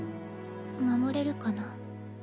守れるかな？